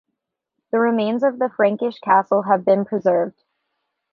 The remains of the Frankish castle have been preserved.